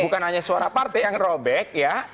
bukan hanya suara partai yang robek ya